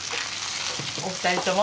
お二人とも。